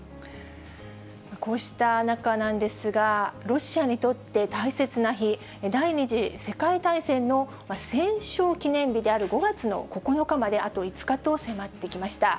こうした中なんですが、ロシアにとって大切な日、第２次世界大戦の戦勝記念日である５月の９日まであと５日と迫ってきました。